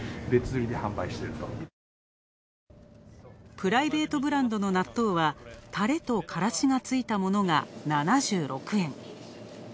プライベートブランドの納豆は、タレとからしがついたものが、７６円。